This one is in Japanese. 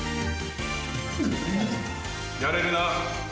やれるな？